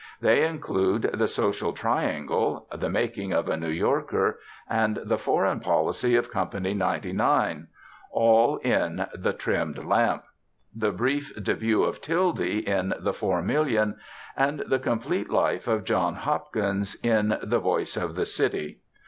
They include the "Social Triangle," the "Making of a New Yorker," and the "Foreign Policy of Company 99," all in the "Trimmed Lamp," the "Brief Début of Tildy" in the "Four Million," and the "Complete Life of John Hopkins" in the "Voice of the City."